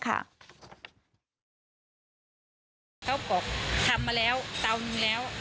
เขาบอกทำมาแล้วเตาหนึ่งแล้ว